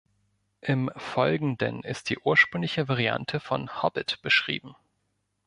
Im Folgenden ist die ursprüngliche Variante von "Hobbit" beschrieben.